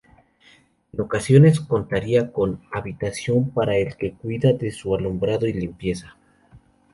En ocasiones contaría con habitación para el que cuida de su alumbrado y limpieza.